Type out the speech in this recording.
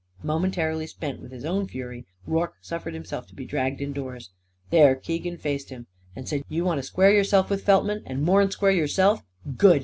Momentarily spent with his own fury, Rorke suffered himself to be dragged indoors. There Keegan faced him and said: "You want to square yourself with Feltman and more'n square yourself? Good.